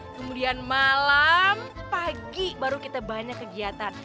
kemudian malam pagi baru kita banyak kegiatan